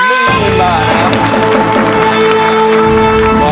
นี่ได้ครับ